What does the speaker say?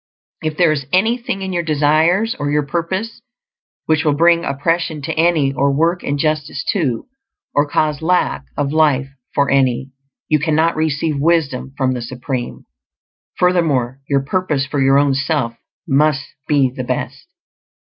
If there is anything in your desires or your purpose which will bring oppression to any, or work injustice to, or cause lack of life for any, you cannot receive wisdom from the Supreme. Furthermore, your purpose for your own self must be the best.